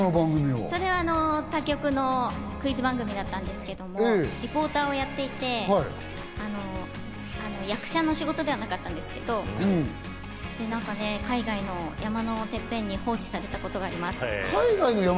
それは他局のクイズ番組だったんですけれども、リポーターをやっていて、役者の仕事ではなかったんですけど、海外の山のてっぺんに放置されたことがあります。